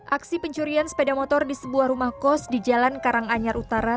aksi pencurian sepeda motor di sebuah rumah kos di jalan karanganyar utara